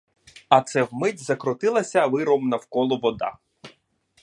А це вмить закрутилася виром навколо вода.